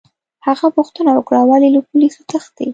هغه پوښتنه وکړه: ولي، له پولیسو تښتې؟